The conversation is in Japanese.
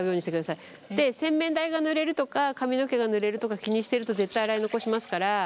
洗面台がぬれるとか髪の毛がぬれるとか気にしてると絶対洗い残しますから。